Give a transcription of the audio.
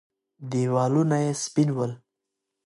دېوالونه يې سپين ول.